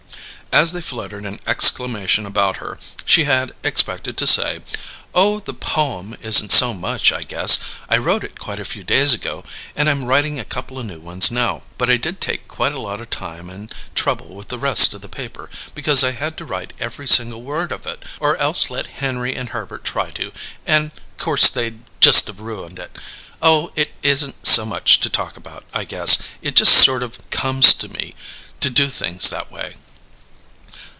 As they fluttered in exclamation about her, she had expected to say, "Oh, the poem isn't so much, I guess I wrote it quite a few days ago and I'm writing a couple new ones now but I did take quite a lot o' time and trouble with the rest of the paper, because I had to write every single word of it, or else let Henry and Herbert try to, and 'course they'd just of ruined it. Oh, it isn't so much to talk about, I guess; it just sort of comes to me to do things that way."